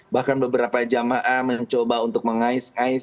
bahkan beberapa jamaah mencoba untuk mengais ais